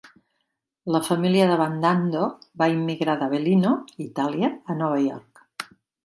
La família d'Abbandando va immigrar d'Avellino, Itàlia, a Nova York.